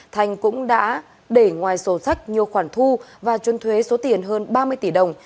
thanh cũng đã để ngoài sổ sách nhiều khoản thu và chuân thuế số tiền hơn ba mươi tỷ đồng